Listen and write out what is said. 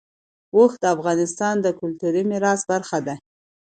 اوښ د افغانستان د کلتوري میراث برخه ده.